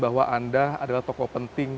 bahwa anda adalah tokoh penting